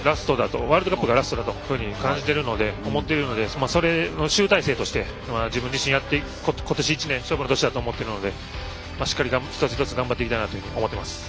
ワールドカップがラストだと思っているのでそれの集大成として自分自身、今年１年勝負の年だと思うので一つ一つ頑張っていきたいと思います。